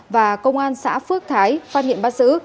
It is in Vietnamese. và công an xã phước thái phát hiện bắt giữ